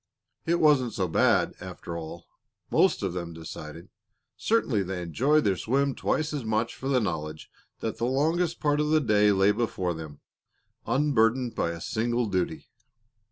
It wasn't so bad, after all, most of them decided. Certainly they enjoyed their swim twice as much for the knowledge that the longest part of the day lay before them, unburdened by a single duty.